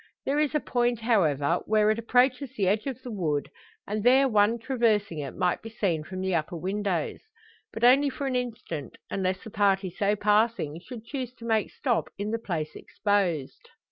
There is a point, however, where it approaches the edge of the wood, and there one traversing it might be seen from the upper windows. But only for an instant, unless the party so passing should choose to make stop in the place exposed.